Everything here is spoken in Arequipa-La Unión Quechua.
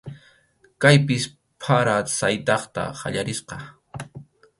Kaypis para saqtayta qallarisqa.